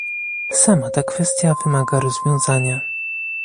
Sama ta kwestia wymaga rozwiązania